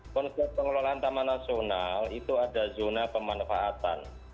konsep pengelolaan taman nasional itu ada zona pemanfaatan